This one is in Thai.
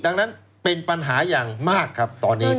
ดังนั้นเป็นปัญหาอย่างมากครับตอนนี้